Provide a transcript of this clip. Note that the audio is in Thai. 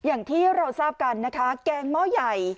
อย่างที่เราทราบกันนะคะแกงหม้อใหญ่